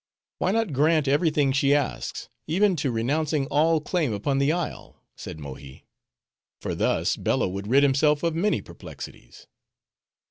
"Why not grant every thing she asks, even to renouncing all claim upon the isle," said Mohi; "for thus, Bello would rid himself of many perplexities."